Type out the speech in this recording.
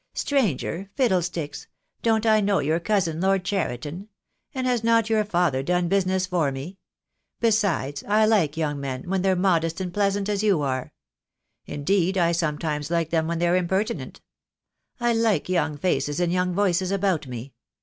"Stranger! fiddlesticks. Don't I know your cousin, Lord Cheriton; and has not your father done business for me? Besides, I like young men, when they're modest and pleasant, as you are. Indeed I sometimes like them when they're impertinent. I like young faces and young voices about me.